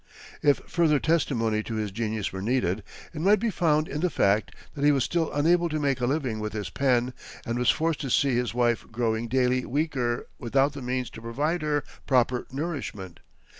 If further testimony to his genius were needed, it might be found in the fact that he was still unable to make a living with his pen, and was forced to see his wife growing daily weaker without the means to provide her proper nourishment.